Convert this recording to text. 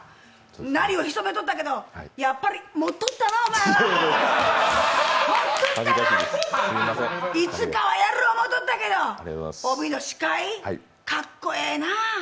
鳴りを潜めよったけど、やっぱり持っとったな、いつかはやる思うとったけど、帯の司会、かっこええなあ。